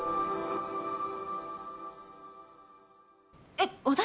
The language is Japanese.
えっ私？